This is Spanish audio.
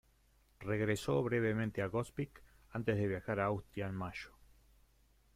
Regresó brevemente a Gospić antes de viajar a Austria en mayo.